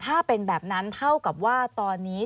ถ้าเป็นแบบนั้นเท่ากับว่าตอนนี้